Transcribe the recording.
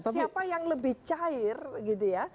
siapa yang lebih cair gitu ya